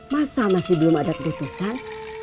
masa masih belum ada keputusan